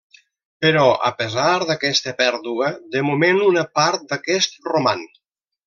Però a pesar d'aquesta pèrdua de moment una part d'aquest roman.